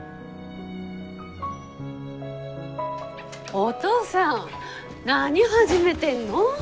おとうさん何始めてんの？